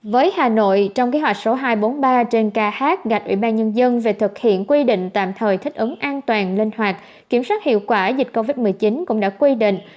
với hà nội trong kế hoạch số hai trăm bốn mươi ba trên khạc ủy ban nhân dân về thực hiện quy định tạm thời thích ứng an toàn linh hoạt kiểm soát hiệu quả dịch covid một mươi chín cũng đã quy định